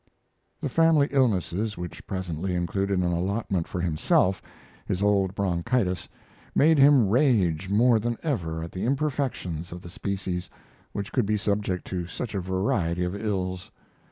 The family illnesses, which presently included an allotment for himself, his old bronchitis, made him rage more than ever at the imperfections of the species which could be subject to such a variety of ills.